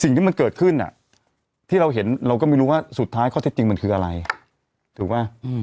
สิ่งที่มันเกิดขึ้นที่เราเห็นเราก็ไม่รู้ว่าสุดท้ายข้อเท็จจริงมันคืออะไรถูกป่ะ